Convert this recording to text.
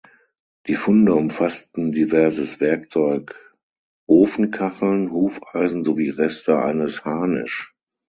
Die Funde umfassten diverses Werkzeug, Ofenkacheln, Hufeisen sowie Reste eines Harnisch.